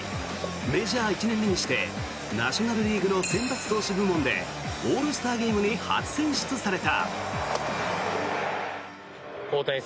メジャー１年目にしてナショナル・リーグの先発投手部門でオールスターゲームに初選出された。